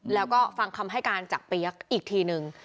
แล้วฟังคำให้กามจับเป๊ะอีกทีหนึ่ง